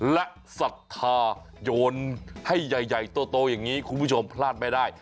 และศรัทธาโยนให้ใหญ่โตอย่างนี้คุณผู้ชมพลาดไม่ได้